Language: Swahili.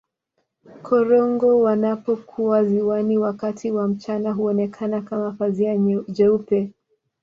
korongo wanapokuwa ziwani wakati wa mchana huonekana kama pazia jeupe